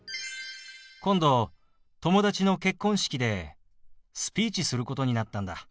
今度友達の結婚式でスピーチすることになったんだ。